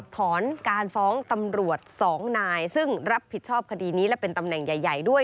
ถอนการฟ้องตำรวจ๒นายซึ่งรับผิดชอบคดีนี้และเป็นตำแหน่งใหญ่ด้วย